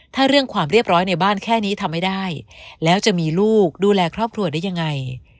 ถ้าเรื่องความเรียบร้อยในบ้านแค่นี้ทำไม่ได้แล้วจะมีลูกดูแลครอบครัวได้ยังไง